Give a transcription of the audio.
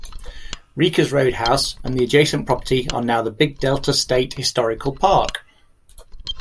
Rika's Roadhouse and the adjacent property are now the Big Delta State Historical Park.